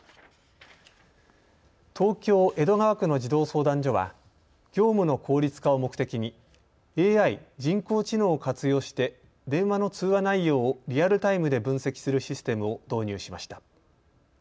東京、江戸川区の児童相談所は業務の効率化を目的にＡＩ人工知能を活用して電話の通話内容をリアルタイムで分析するシステムを導入しました。